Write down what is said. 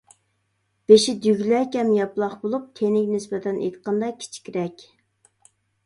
بېشى دۈگىلەك ھەم ياپىلاق بولۇپ، تېنىگە نىسبەتەن ئېيتقاندا كىچىكرەك.